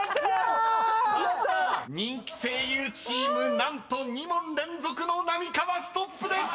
［人気声優チーム何と２問連続の浪川ストップです！］